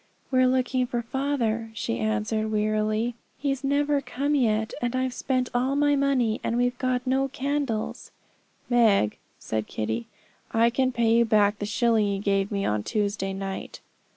'We're looking for father,' she answered weariedly. 'He's never come yet, and I've spent all my money, and we've got no candles.' 'Meg,' said Kitty, 'I can pay you back the shilling you gave me on Tuesday night.'